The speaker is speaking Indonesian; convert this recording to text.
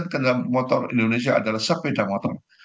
delapan puluh empat lima kendaraan motor indonesia adalah sepeda motor